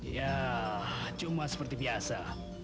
ya cuma seperti biasa